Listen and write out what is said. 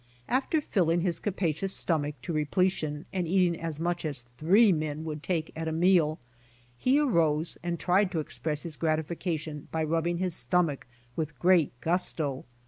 After filling his capacious stomach to repletion and eating as much as three men would take at a meal, he arose and tried to express his gratification by rubbing his stomach with great gusto.